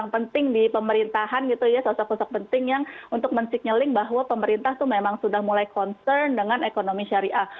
penting yang untuk mensignaling bahwa pemerintah tuh memang sudah mulai concern dengan ekonomi syariah